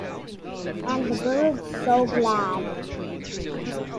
And the birds so glad.